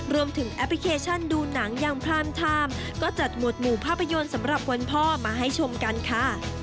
แอปพลิเคชันดูหนังอย่างพรามไทม์ก็จัดหวดหมู่ภาพยนตร์สำหรับวันพ่อมาให้ชมกันค่ะ